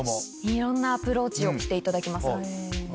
いろんなアプローチしていただけます。